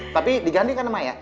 tapi diganti kan emang ya